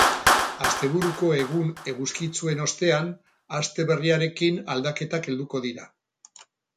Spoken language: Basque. Asteburuko egun eguzkitsuen ostean, aste berriarekin aldaketak helduko dira.